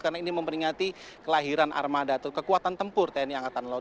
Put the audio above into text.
karena ini memperingati kelahiran armada atau kekuatan tempur tni angkatan laut